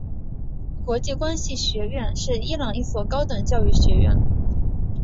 国际关系学院是伊朗一所高等教育学校。